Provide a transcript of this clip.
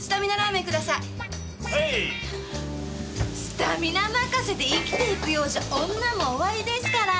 スタミナ任せで生きていくようじゃ女も終わりですから。